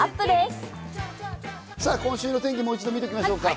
今週の天気、もう一度見ておきましょうか。